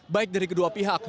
baik dari kedua pihak